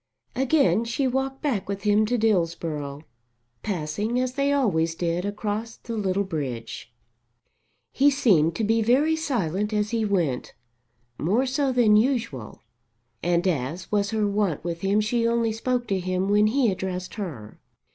Again she walked back with him to Dillsborough, passing as they always did across the little bridge. He seemed to be very silent as he went, more so than usual, and as was her wont with him she only spoke to him when he addressed her.